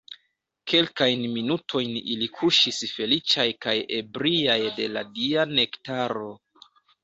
Kelkajn minutojn ili kuŝis feliĉaj kaj ebriaj de la dia nektaro.